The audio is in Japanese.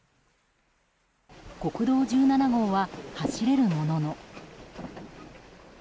国道１７号は走れるものの。